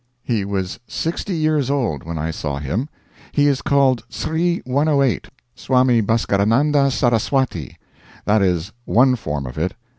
He was sixty years old when I saw him. He is called Sri 108 Swami Bhaskarananda Saraswati. That is one form of it.